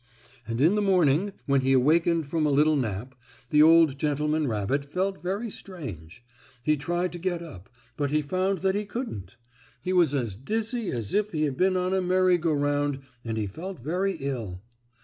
And in the morning when he awakened from a little nap the old gentleman rabbit felt very strange. He tried to get up, but he found that he couldn't. He was as dizzy as if he had been on a merry go round and he felt very ill.